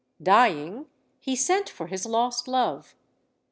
Dying, he sent for his lost love.